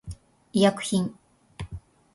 医薬品